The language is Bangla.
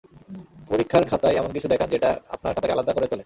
পরীক্ষার খাতায় এমন কিছু দেখান, যেটা আপনার খাতাকে আলাদা করে তোলে।